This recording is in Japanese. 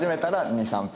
２３分！？